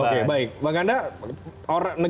oke baik bang kanda